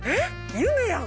夢やん！